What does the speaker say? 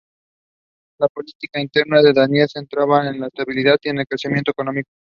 Las políticas internas de Daniel se centraron en la estabilidad y el crecimiento económico.